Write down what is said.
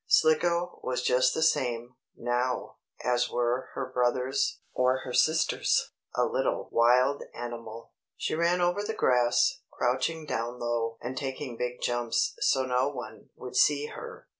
Slicko was just the same, now, as were her brothers, or her sister a little, wild animal. She ran over the grass, crouching down low, and taking big jumps so no one would see her.